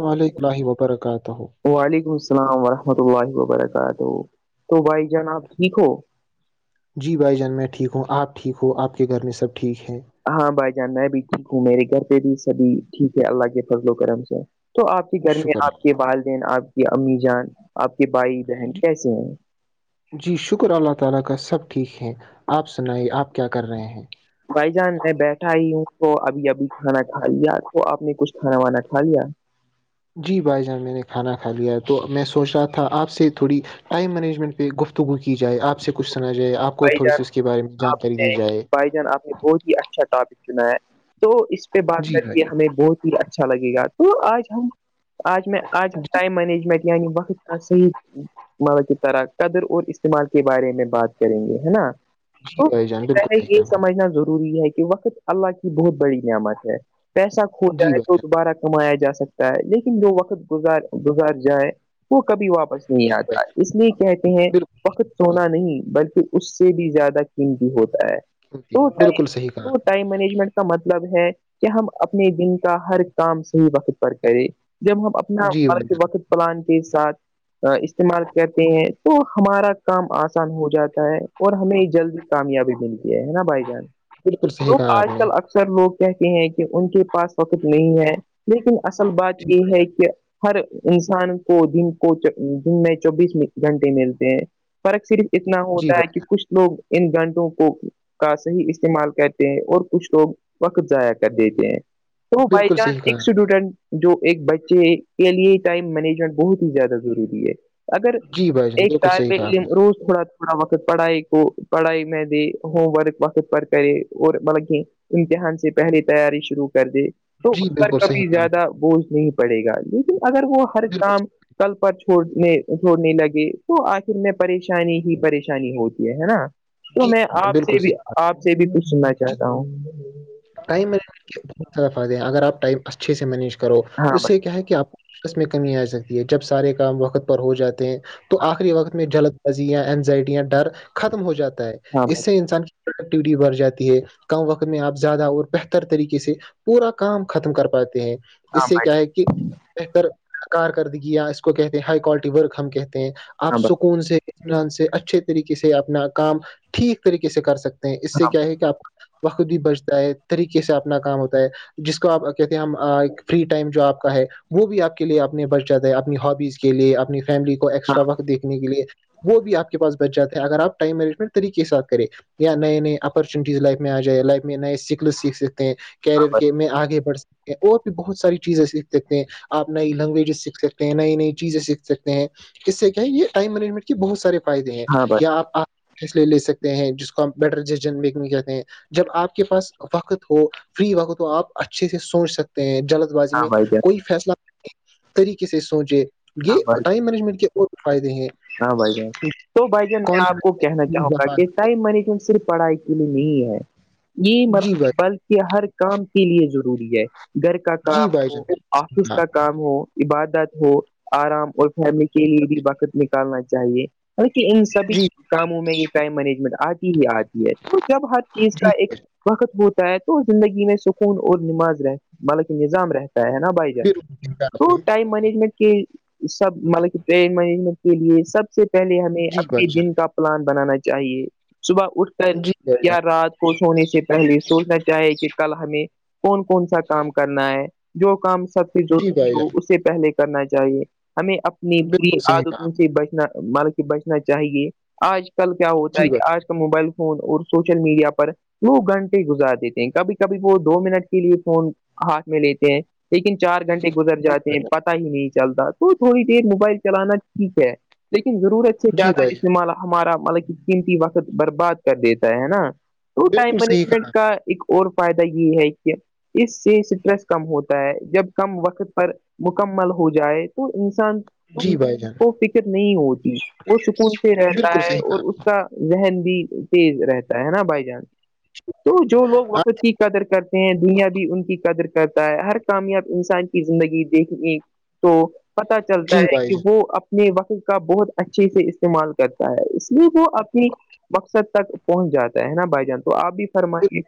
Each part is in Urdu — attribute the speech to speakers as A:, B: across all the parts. A: وعلیکم اللہ وبرکاتہ
B: وعلیکم السلامورحمۃ اللہ وبرکاتہ تو بھائی جان آب ٹھیک ہو
A: جی بھائی جان میں ٹھیک ہوں آپ ٹھیک ہووں آپ کے گھر میں سب ٹھیک ہیں
B: ہاں بھائی جان میں بھی ٹھیک ہوں میرے گھر پہ بھی سبھی ٹھیک ہے اللہ کے فضل و کرم سے تو آپ کے گھر میں
A: شکر
B: آپ
A: اللہ
B: کے والدین آپ کی امی جان آپ کے بھائی بہن
A: جی
B: کیسے ہیں
A: جی شکر اللہ تعالی کا سب ٹھیک ہے آپ سنائی آپ کیا کر رہے ہیں
B: بھائی جان میں بیٹھا ہی ہوں تو ابھی ابھی کھانا کھا لیا تو آپ نے کچھ کھانا وانا کھا لیا
A: جی بھائی جان میں نے کھانا کھا لیا تو میں سوچ رہا تھا آپ سے تھوڑی ٹائم مینجمنٹ پہ گفتگو کی جائے آپ سے کچھ سنا جائے آپ کو
B: بھائی
A: تھوڑی
B: جان
A: اس کے بارے میں
B: آپ
A: جانکاری دی
B: نے
A: جائے
B: بھائی آپ نے بہت ہی اچھا ٹاپک چنا ہے تو اس پہ بات
A: جی
B: کر
A: بھائی
B: کے ہمیں بہت ہی اچھا لگے گا تو آج ہم آج میں آج
A: جان جی
B: ٹائم مینجمنٹ یعنی وقت تسیید مطلب کی طرح قدر اور استعمال کے بارے میں بات کریں گے ہے نا
A: جی
B: تو
A: بھائی
B: سب
A: جان
B: سے
A: بالکل
B: پہلے
A: صحیح
B: یہ
A: کہا بھائی
B: سمجھنا ضروری ہے کہ وقت اللہ کی بہت بڑی نعمت ہے پیسہ کھو
A: جی
B: جائے
A: بھائی
B: تو
A: جان
B: دوبارہ کمایا جا سکتا ہے لیکن جو وقت گزار گزار جائے وہ کبھی واپس نہیں
A: جی بھائی
B: آتا
A: جان
B: اس لیے کہتے ہیں
A: بالکل
B: فخت سونا نہیں بلکہ اس سے بھی زیادہ قیمتی ہوتا ہے
A: سنتے ہیں بالکل صحیح کہا
B: تو
A: آپ نے. جی
B: ٹائم مینجمنٹ کا مطلب ہے کہ ہم اپنے دن کا ہر کام صحیح وقت پر کریں جب ہم اپنا مر کے وقت پلان کے ساتھ استعمال کرتے ہیں تو ہمارا کام آسان ہو جاتا اور ہمیں جلدی کامیابی ملتی ہے ہے نا بھائی جان
A: بھائی جان بالکل صحیح
B: تو
A: کہا
B: آج
A: آپ نے
B: کل اکثر اکثر لوگ کہتے ہیں کہ ان کے پاس وقت نہیں ہے لیکن اصل بات
A: جی
B: یہ ہے کہ ہر انسان کو دن کو دن میں چوبیس گھنٹے ملتے ہیں فرق صرف اتنا
A: جی
B: ہوتا ہے
A: بھائی
B: کہ کچھ لوگ ان گھنٹوں کو کا صحیح استعمال کرتے ہیں اور کچھ لوگ وقت ضائع کر دیتے ہیں تو بائی
A: بالکل
B: چانس
A: صحیح
B: ایک
A: کہا
B: اسٹوڈنٹ جو ایک بچے کے لیے ٹائم مینجمنٹ بہت ہی زیادہ ضروری ہے اگر
A: جی بھائی جان
B: ایک
A: بالکل صحیح
B: طالب
A: کہا آپ
B: علم
A: نے
B: روس تھوڑا تھوڑا وقت پڑھائی کو پڑھائی میں دی ہوم ورک وقت پر کرے اور مطلب کہ امتحان سے پہلے تیاری شروع کر دے تو
A: جی
B: اس پر
A: بالکل صحیح
B: کافی
A: کہا آپ
B: زیادہ بوجھ نہیں پڑے گا لیکن اگر وہ ہر
A: نے بالکل
B: کام کل پر چھوڑنے چھوڑنے لگے تو آخر میں پریشانی ہی پش پریشانی ہوتی ہے ہے نا
A: صحیح
B: تو
A: جی
B: میں
A: بھائی جان،
B: آپ سے
A: بالکل صحیح
B: بھی
A: کہا
B: آپ سے بھی پوچھنا
A: نے۔
B: چاہتا ہوں
A: ٹائم مینج کے بہت زیادہ فائدے ہیں اگر آپ ٹائم اچھے سے مینیج کرو
B: ہاں
A: اس سے کیا ہے کہ آپ کو اس میں کمی آ سکتی ہے جب سارے کام وقت پر ہو جاتے ہیں تو آخری وقت میں جلد یا اینزائٹی یا ڈر ختم ہو جاتا ہے
B: بھائی
A: اس
B: ہاں
A: سے انسان پروڈٹیوٹی بڑ جاتی ہے ک وقت میں آپ زیادہ اور بہتر طریقے سے پورا کام ختم کر پاتے ہیں اس سے
B: بھائی
A: کیا ہے کہ بہتر کارکردگیا یا اس کو کہتے ہیں ہائی کوالٹی ورک ہم کہتے ہیں آپ
B: ہاں بھئی
A: سکون سے ان سے اچھے طریقے سے اپنا کام ٹھیک طریقے سے کر سکتے ہیں اس سے
B: ہاں بھائی
A: کیا ہے کہ آپ وقود بھی بچتا ہے طریقے سے اپنا کام ہوتا ہے جس کو آپ کہتے ہیں ہم فری ٹائم جو آپ کا ہے وہ بھی آپ کے لیے اپنے بچ جاتا ہے اپنی ہابیز کے لیے اپنی فیملی کو
B: ہاں
A: ایکسٹرا وقت دیکھنے کے لیے وہ بھیپ کے پاس چ جا ہیں اگر آپ ٹائم مینجمنٹ طریقے سات کریں یا نئے نئے اپارچونیٹیز لائف میں آ جائے لائف میں نئے سکل سیکھ ستے ہیں
B: ہاں بھائی
A: کیریئر میں آگے بڑھ سکتے ہیں اور بھی بہت ساری چیزیں سیکھ ستے ہیں آپ نئی لینگویجز سیکھ سکتے ہیں نئی نئی چیزیں سیکھ سکتے ہیں اس سے کیا ہے یہ ٹائم مینجمنٹ بہت سارے فائدے ہیں
B: ہاں بھائی
A: یا آپ فصلے لے سکتے ہیں جس کو آپ بیٹر ڈن میکنگ کہتے ہیں جب آپ کے پاس وقت ہو فری وقت ہو آپ اچھے سے سوچ سکتے ہیں جلد بازی
B: ہاں
A: میں
B: بھائی
A: کوئی فیصلہ طریقے سے سوچے یہ
B: ہاں بھائی
A: ٹائم مینجمنٹ کے بہت فائدے ہیں
B: ہاں بھائی جان تو بھائی جان میں آپ کو کہنا چاہوں گا کہ
A: کانفیڈنس
B: ٹائم مینجمنٹ صرف پڑھائی نہیں ہے یہ م
A: جی بھائی
B: بلکہ ہر کام کے لیے ضروری ہے گھر کا
A: جی
B: کام
A: بھائی جان
B: ہو آفس کا
A: بالکل
B: کام ہو عبادت ہو آرام اور فہرنے کے لیے بھی بقت نکالنا چاہیے بہ ان سبھی
A: جی
B: کاموں میں یہ ٹائم مینجمنٹ آتی ہی آتی تو جب ہر چیز کا ایک وقت ہوتا ہے تو زندگی میں سکون اور نماز رہ مطاک نظام رہتا ہے نا بھائی تو ٹائم مجمٹ سب مطلب ممنٹ کے لیے سب سے پہلے ہمیں
A: جی
B: اپنے دن کا پلان بنانا چاہیے صبح اٹھ کر یا رات کوھ ہونے سے پہلے سوچنا چاہے کہ کل ہمیں کون کون سا کام کرنا ہے جو کام سب سے جڑ رہ
A: بھائی
B: ہو
A: جان
B: اسے پہلے کرنا چاہیے ہمیں اپنی بری
A: بالکل صحیح
B: عادت
A: کہا آپ نے
B: بچنا مطلب کہ بچنا چاہیے آج کل کیا ہوتا ہے
A: جی بھائی
B: کہ آج کل موبائل فون اور سوشل میڈیا پر دو گھنٹے گزار دیتے ہیں کبھی کبھی وہ دو منٹ کے لیے فون ہاتھ میں لیتے ہیں لیکن چار گھنٹے گزر جاتے ہیں
A: جان
B: پتہ ہی نہیں چلتا تو تھوڑی دیر موبائل چلانا ٹھیک ہے لیکن ضرورت سے
A: جی
B: زیادہ
A: بھائی جان
B: استعمال ہمارا مطلب قیمتی وقت برباد کر دیتا ہے ہے نا تو
A: جی
B: ٹائم
A: بھائی جان بالکل صحیح کہا آپ نے
B: مینجمنٹ
A: جی بھائی
B: کا ایک اور فائدہ یہ ہے کہ اس سے اسٹریس کم ہوتا ہے جب کم وقت پر مکمل ہو جائے تو انسان
A: جی بھائی جان
B: وہ فکر نہیں ہوتی وہ سکون سے رہتا
A: بالکل
B: ہے
A: صحیح کہا آپ
B: اور
A: نے۔ جی بھائی جان بالکل صحیح کہا آپ
B: اس
A: نے
B: کا ذہن بھی تیز رہتا ہے نا بائی جانس تو جو لوگ
A: آپ-
B: وقت کی قدر کرتے دنیا بھی ان کی قدر کرتا ہے ہر کامیاب انسان کی زندگی دیکھنے تو پت چلتا
A: جی
B: ہے
A: بھائی
B: کہ
A: جان
B: وہ اپنے وقت کا بہت اچھے سے استعمال کرتا ہے اس لیے وہ اپنی مقصد تک پہنچ جاتا ہے نا بھائی جان تو آپ بھی فرمائی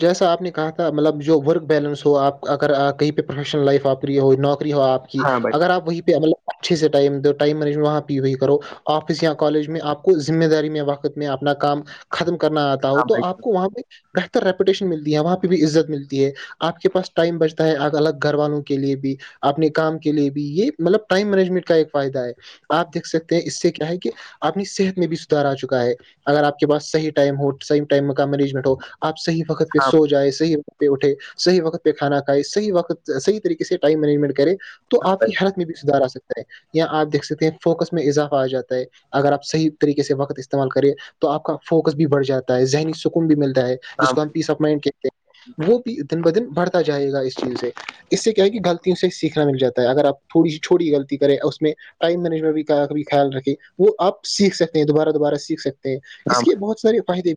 A: جیسا آپ نے کہا تھا مطلب جو ورک بیلنس ہو آپ اگر آ کہیں پہ پروفیشنل لائف آپری ہو نوکری ہو آپ کہ
B: ہاں بھائی
A: اگر آپ وہیں پہ مطلب اچھے سے ٹائم ٹائم مج وہاں پہ وہی کرو آفس یا کالج میں آپ کو ذمہ داری میں وقت میں اپنا کام ختم کرنا آتا ہو
B: ہاں
A: تو
B: بھائی
A: آپ کو وہاں پہ بہتر ریپوٹیشن ملتی ہے وہاں پہ بھی عزت ملتی ہے آپ کے پاس ٹائم بچتا ہے الگ گھر والوں کے لیے بھی اپنے کام کے لیے بھی یہ مطلب ٹائم مینجمنٹ کا ایک فائدہ ہے آپ دیکھ سکتے ہیں اس سے کیا ہے کہ اپنی صحت میں بھی سدار آ چکا ہے اگر آپ کے پس صحیح ٹائم ہو صح ٹائم کا مینجمنٹ ہو آپ صحیح وقت پہ
B: ہاں
A: سو جائےیں صحی پہ اٹھے صح وقت پہ کھانا کھائے صحی وقت صح طریقے سے ٹائم مینجمنٹ کرے تو آپ کی
B: بھائی
A: ہرت بھی سدھار آ سکتا ہے یا آپ دھ سکتے ہیں فوکس میں اضافہ آ جاتا ہے اگر آپ صحیح طریقے سے وقت استعمال کرے تو آپ کا فوکس بھی بڑھ جاتا ہے ذہنی سکون بھی ملتا ہے جس
B: ہاں
A: کو ہم
B: بھائی
A: پیس آف مائنڈتے ہیں وہ بھی دن ب دن بڑھتا جائے گا اس چیز سے اس سے کیا ہے کہ غلطیوں سے سیکھنا مل جاتا ہے اگر آپ تھوڑی سی چھوٹی غلط کرے اس میں ٹائم مینجمنٹ بھی کا خیال رکھے وہ آپیکھ سکتے ہیں دوبارہ دوبارہ سیکھ سکتے ہیں
B: ہاں
A: اس کے بہت سار فائدے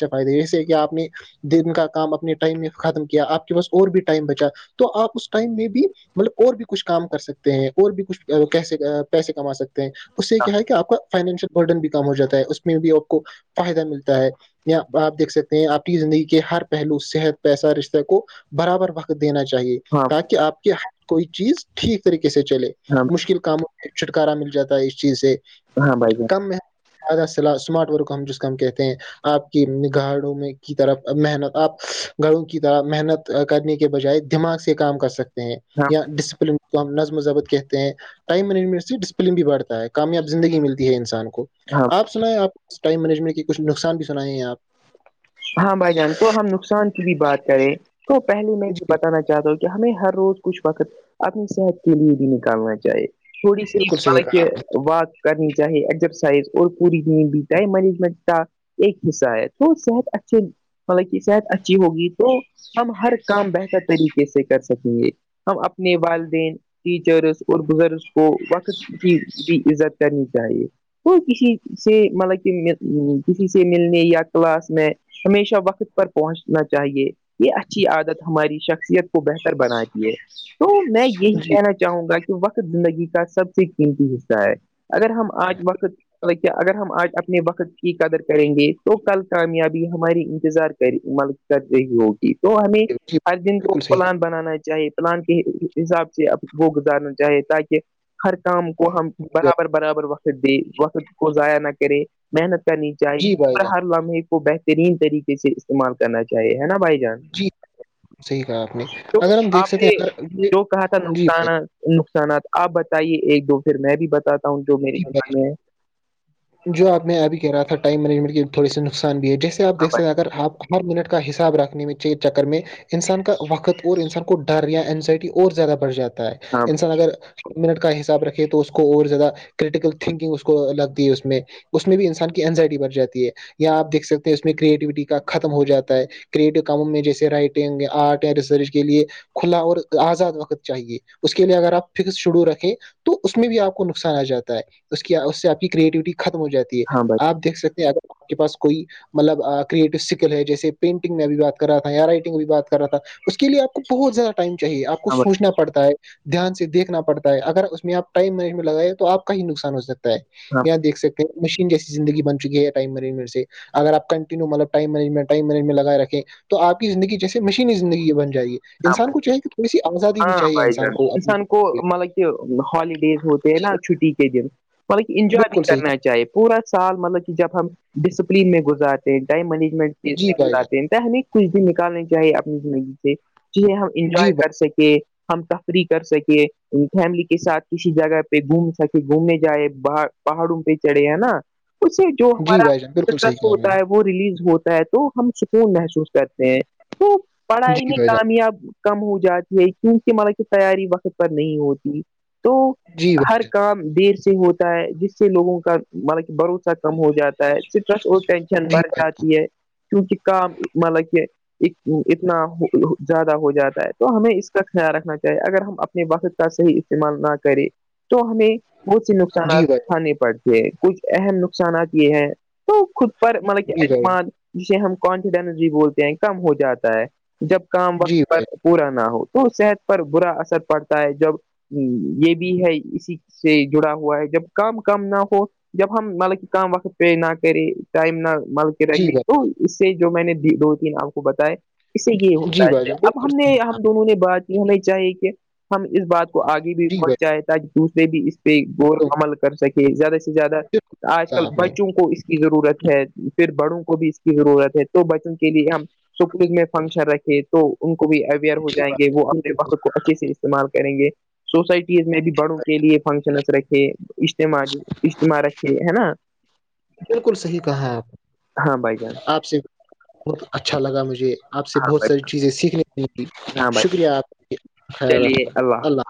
A: سے فائدے جیسے کہ آپ نے دن کا کام اپنے ٹائم میں ختم کیا آپ کے پاس اور بھی ٹائم بچا تو آپ اس ٹائم میں بھی مطلب اور بھی کچھ کام کر سکتے ہیں اور بھی کچھ کیس پیسے کما سکتے ہیں اس سے
B: بھائی
A: کیا ہے کہ آپ کا فائنشیل گڈن بھی کام ہو جاتا ہے اس میں بھی آپ کو فائدہ ملتا ہے آپ دیکھ سکتے ہیں آپ زندگی کے ہر پہلو صحت پیسہ رشتے کو برابر وقت دینا چاہیے
B: ہاں
A: تاکہ آپ کے ہر کوئی چیز ٹھیک طریقے سے چلے
B: ہاں
A: مشکل کاموں چھٹکارا مل جاتا ہے اس چیز سے
B: ہاں بھائی
A: کم مارٹ ورک ہم جس کا ہم کہتے ہیں آپ کی نگاڑوں میں کی طرف محنت آپ گڑوں کی طرح محنت کرنے کے بجائے دماغ سے کام کر سکتے ہیں
B: ہاں
A: یا ڈسپلن تو ہم نظم مذہبت کہتے ہیں ٹائم مینجمنٹ سے ڈسپلن بھی بڑھتا ہے کامیاب زندگی ملتی ہے انسان کو
B: ہاں
A: آپ سنائیں آپ ٹائم مینجمنٹ کے کچھ نقصان بھی سنیں ہیں آپ
B: ہاں بھائی جان کو ہم نقصان کی بھی بات کریں تو پہلے میں یہ بتانا چاہتا ہوں کہ کہ ہمیں ہر روز کچھ وقت اپنی صحت کے لیے بھی نکالنا چاہیے تھوڑی سی
A: بالکل صحیح
B: مطلب
A: کہا
B: کہ
A: آپ
B: وات کرنی چاہیے ایگزرسائز اور پوری زین بھی اہائم مینجمنٹ کا ایک حصہ ہے تو صحت اچھے مطلب کہ صحت اچھی ہوگی تو ہم ہر کام بہتر طریقے سے کر سکیں گے ہم اپنے والدین ٹیچرس اور بزرگ کو وقت کی بھی عزت کرنی چاہیے وہ کسی سے مطلب کہ کسی سے ملنے یا کلاس میں ہمیشہ وقت پر پہنچنا چاہیے یہ اچھی عادت ہماری شخصیت بہتر بنا دیے تو میں یہی
A: نے۔ جی
B: کہنا چاہ چاہوں گا کہ وقت زندگی کا سب سے قیمتی حصہ ہے اگر ہم آج وقت اگر ہم آج اپنے وقت کی قدر کریں گے تو کل کامیاب ہماری انتظار کر ع مل کر رہی ہوگی تو ہمیں
A: جی
B: ہر دن کو
A: بالکل صحیح
B: پلان بنانا چاہیے پلان کے حساب سے وہ گزارنا چاہے تاکہ ہر کام کو ہم
A: کہا
B: برابر برابر وقت دے وقت کو ضائع نہ کرے محنت کا نیچ آ
A: جی بھائی
B: اور
A: جان
B: ہر لمحے کو بہتر ترین طریقے سے استعمال کرنا چاہیے ہے نا بھائی
A: جی صحیح کہا آپ نے
B: تو
A: اگر ہم دیکھ
B: آپ
A: سکیں
B: نے
A: اگر یہ
B: جو کہا تھا
A: جی بھائی
B: نقصانہ نقصانات آپ بتائیے ایک دو پھر میں بھی بتاتا ہوں جو
A: جی بھائی
B: میریمان میں ہے
A: جو آپ نے ابھی کہہ رہا تھا ٹائم مینجمنٹ تھوڑی سا نقصان بھی ہے جیسے آپ
B: ہاں
A: دیکھ ستے ہیں
B: بھائی
A: اگر آپ ہر منٹ کا حساب رکھنے میں چکر میں انسان کا وقت اور انسان کو ڈر یا انینزائٹی اور زیادہ بڑھ جاتا ہے
B: ہاں
A: انسان اگر منٹ کا حساب رکھے تو اس کو اور زیادہ کرٹیکل تھنکنگ اس کو لگتی ہے اس میں اس میں بھی انسان کی انینزائٹی بڑ جاتی ہے یا آپ دیک سکتے ہیں اس میں کریٹیوٹی کا ختم ہو جاتا ہے کریٹو کاموں میں جیسے رائٹنگ آرٹ یا ریسرچ کے لیے کھلا اور آزاد وقت چاہیے اس کے لیے اگر آپ فکس شڈو رکھیں تو اس میں بھی آپ کو نقصان آ جاتا اس کی اس سے آپ کی کریٹیوٹی ختم ہو جاتی ہے
B: ہاں بھائی
A: آپ دیکھ سکتے ہیں اگر آپ کے پاس کوئی مطلب کریٹو سکل ہے جیسے پینٹنگ میں بھی بات کر رہا تھا یا رائٹنگ میں بھی بات کر رہا تھا اس کے لیے آپ کو بہت زیادہ ائم چاہیے آپ کو
B: ہاں بھائی
A: سوچنا پڑتا ہے دھیان سے دیکھنا پڑتا ہے اگر اس میں آ ٹائم مینجمنٹ لگائے تو آپ کا نقصان ہو سکتا ہے
B: ہاں
A: یااں دیک سکتے ہیں مشین جیسی زندگی بن چکی ہے ٹائم مری سے اگر آپ کنٹیو م ائٹائمجمٹ لگائے رکھے تو آپ کی زندگی جیسے مشینی زندگی یہ بن جائیے
B: ہاں بھائی ج ہاں بھائی
A: انسان
B: جان
A: اپنی
B: کسان کو مطلب کہ ہالیڈیز ہوتی نا چھٹی کے دن مطلب انجوائے بھی
A: بالکل صحیح
B: کرنا
A: کہا
B: چاہے پورا سال مطلب کہ جب ہم ڈسپلین میں گزاراتے ہیں ٹائم مینجمنٹی سے
A: جی بھائی جان
B: گزارے ہیں پ نہیں کچھ بھی نکالنا چاہیے اپنی زندگی سے جسیں ہم
A: جی
B: انجوائے کر سکے ہم تفریح کر سکیں فیملی کے ساتھ کسی جگہ پہ گھوم سکے گھومنے جائے باہر پہاڑوں پہ چڑھے ہیں نا اس سے جو
A: جی بھائی جان بالکل صحیح
B: ہماراٹرس
A: کہا آپ نے
B: ہوتا ہے ریلیز ہوتا ہے تو ہم سکون محسوس کرتے ہیں تو پڑھائی
A: جی
B: میں
A: بھائی جان
B: کم ہو جاتی ہے کیونکہ مطلب کہ تیاری وقت پر نہیں ہوتی تو
A: جی بھائی
B: ہر
A: جان
B: کام دیر سے ہوتا ہے جس سے لوگوں کا مطب کہ بھروسہ کم ہو جاتا ہے سٹرس اور ٹینشن
A: جی
B: بڑ
A: بھائی
B: جاتی ہے کیونکہ کام مطلب کہ اتنا زیادہ ہو جاتا ہے تو ہمیں اس کا خیال رکھنا چاہیے اگر ہم اپنے وقت کا صحیح استعمال نہ کریں تو ہمیں بہت سے نقصانات
A: جی بھائی
B: ا کھے پڑتے ہیں کچھ اہم نقصانات یہ ہیں تو خود پر مطلب کہ
A: جی بھائی
B: اعتماد جے ہم کانفیڈینس بھی بولتے ہیں کم ہو جاتا ہے جب کام
A: جی
B: وقت پر
A: بھائی
B: پورا نہ ہو تو صحت پر برا اثر پڑتا ہے جب ہ یہ بھی ہے اسی سے جڑا ہوا ہے جب کام کام نہ ہو جب ہم مطلب کہ کام وقت پیش نہ کریں ٹائم نہ مطلب
A: جی
B: رکھے
A: بھائی
B: تو اس سے جو میں نے دو تین آپ کو بتائے اس سے یہ ہوتا
A: جی بھائی جان
B: اب
A: بالکل
B: ہم نے
A: صحیح کہا
B: ہم دونوں نے بات کی ہمیں چاہی کہ ہم اس بات آگے بھی پہنچ چاہائے تھا دوسرے بھی اس پہ غور عمل کر سکے زیادہ سے زیادہ آج کل
A: آپ نے۔
B: بچوں کو کی ضرورت ہے پھر بڑوں کو بھی اس کی ضرورت ہے تو بچوں کے لیے ہم سکول میں فنکشن رکھے تو ان کو بھی اویئر ہو
A: جی
B: جائیں گے وہ
A: بھائی جان، بالکل صحیح کہا آپ نے جی بات
B: اپنے
A: بالکل
B: وقت کو اچھے سے استعمال کریں گے سوسائٹیز میں بھی بڑوں کے لیے فنکشنس رکھے اجتماع اجتماع رکھے ہے نا
A: بالکل صحیح کہا ہے
B: ہاں بھائی جان
A: آپ آپ سے بہت اچھا لگا مجھے آپ سے
B: ہاں
A: بہت
B: بھائی
A: ساری
B: جان
A: چیزیں سیکھنے
B: ہاں بھائی
A: شکریہ آپ خ
B: چلیے
A: رحم
B: حافظ
A: اللہ